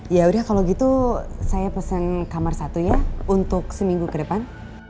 ya udah kalau gitu saya pesen kamar satu ya untuk seminggu ke depan